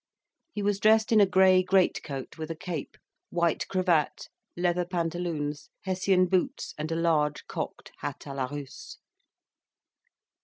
He was dressed in a grey great coat with a cape, white cravat, leather pantaloons, Hessian boots, and a large cocked hat a la Russe.